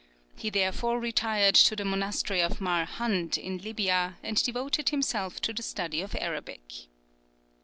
He therefore retired to the monastery of Mar Hannd, in Libiya, and devoted himself to the study of Arabic.